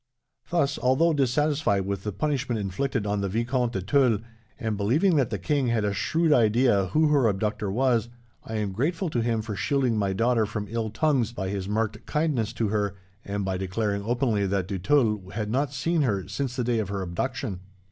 "Thus, although dissatisfied with the punishment inflicted on the Vicomte de Tulle, and believing that the king had a shrewd idea who her abductor was, I am grateful to him for shielding my daughter from ill tongues, by his marked kindness to her, and by declaring openly that de Tulle had not seen her, since the day of her abduction.